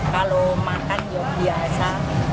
kalau makan ya biasa